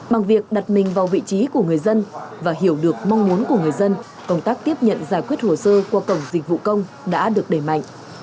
bằng việc đặt mình vào vị trí của người dân và hiểu được mong muốn của người dân công tác tiếp nhận giải quyết hồ sơ qua cổng dịch vụ công đã được đẩy mạnh